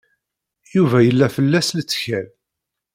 Yuba yella fell-as lettkal.